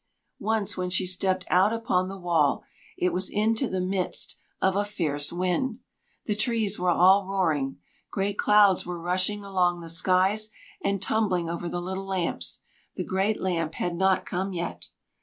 Once when she stepped out upon the wall, it was into the midst of a fierce wind. The trees were all roaring. Great clouds were rushing along the skies, and tumbling over the little lamps: the great lamp had not come yet.